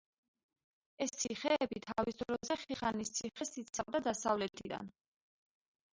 ეს ციხეები თავის დროზე ხიხანის ციხეს იცავდა დასავლეთიდან.